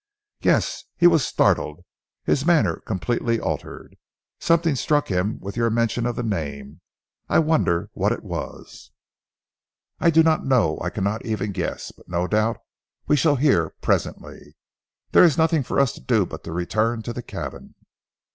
"Yes, he was startled. His manner completely altered. Something struck him with your mention of the name. I wonder what it was?" "I do not know. I cannot even guess, but no doubt we shall hear presently. There is nothing for us to do but to return to the cabin."